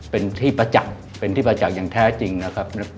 เป็นที่ประจักษ์เป็นที่ประจักษ์อย่างแท้จริงนะครับ